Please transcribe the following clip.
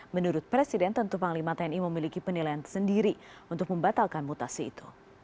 menurut presiden tentu panglima tni memiliki penilaian sendiri untuk membatalkan mutasi itu